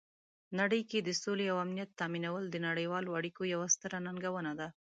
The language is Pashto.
نړۍ کې د سولې او امنیت تامینول د نړیوالو اړیکو یوه ستره ننګونه ده.